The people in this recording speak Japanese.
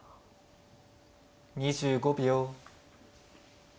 ２５秒。